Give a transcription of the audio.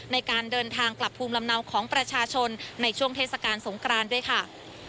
ในการเดินทางกลับภูมิลำเนาของประชาชนในช่วงเทศกาลสงครานด้วยค่ะ